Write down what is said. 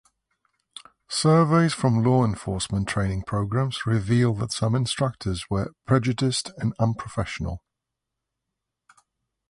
Surveys from law enforcement training programs reveal that some instructors were prejudiced and unprofessional.